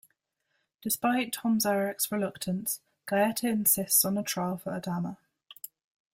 Despite Tom Zarek's reluctance, Gaeta insists on a trial for Adama.